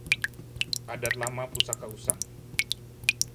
Adat lama pusaka usang